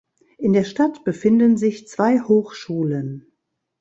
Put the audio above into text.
In der Stadt befinden sich zwei Hochschulen.